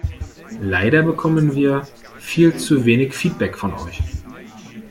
Leider bekommen wir viel zu wenig Feedback von euch.